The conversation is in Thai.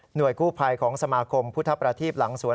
กู้ภัยของสมาคมพุทธประทีบหลังสวน